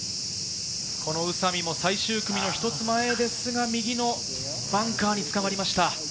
宇佐美も最終組の一つ前ですが、右のバンカーにつかまりました。